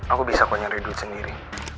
aku bisa konyari duit sendiri